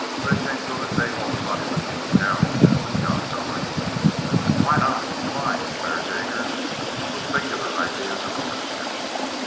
"But ye ain't goin' t' take all that money with ye inter town?" protested Josh Owen. "Why not? It's mine," declared Jaggers, with singular ideas of ownership.